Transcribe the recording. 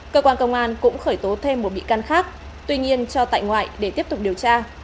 cơ quan công an cũng khởi tố thêm một bị can khác tuy nhiên cho tại ngoại để tiếp tục điều tra